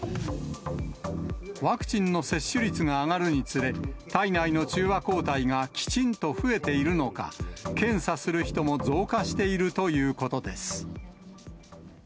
ワクチンの接種率が上がるにつれ、体内の中和抗体がきちんと増えているのか、検査する人も増加しているということです。